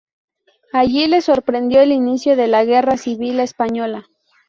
Allí le sorprendió el inicio de la Guerra Civil Española.